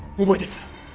覚えてる。